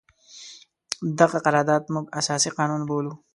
دغه قرارداد موږ اساسي قانون بولو.